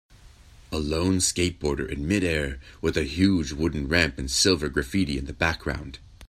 a lone skateboarder in midair with a huge wooden ramp and silver graffiti in the background